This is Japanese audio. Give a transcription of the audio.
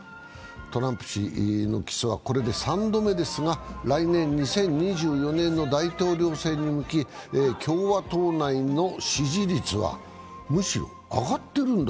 トランプ氏の起訴はこれで３度目ですが来年２０２４年の大統領選に向け共和党内の支持率はむしろ上がってるんだ